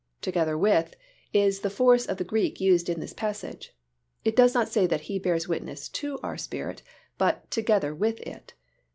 "Together with" is the force of the Greek used in this passage. It does not say that He bears witness to our spirit but "together with" it.